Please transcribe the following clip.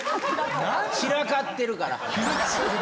散らかってるから。